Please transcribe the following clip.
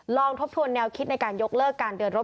ทบทวนแนวคิดในการยกเลิกการเดินรถ